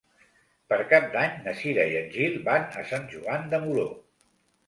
Per Cap d'Any na Cira i en Gil van a Sant Joan de Moró.